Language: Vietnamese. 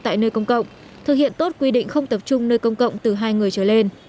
tại nơi công cộng thực hiện tốt quy định không tập trung nơi công cộng từ hai người trở lên